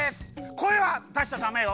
こえはだしちゃダメよ。